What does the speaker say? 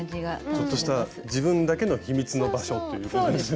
ちょっとした自分だけの秘密の場所っていうことですよね。